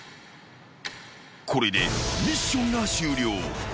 ［これでミッションが終了］